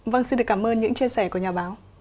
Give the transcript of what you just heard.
vâng xin được cảm ơn những chia sẻ của nhà báo